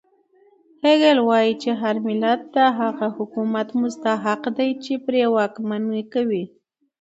هګل وایي چې هر ملت د هغه حکومت مستحق دی چې پرې واکمني کوي.